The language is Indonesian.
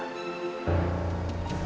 benar kata andi ma